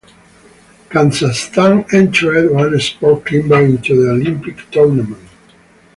Kazakhstan entered one sport climber into the Olympic tournament.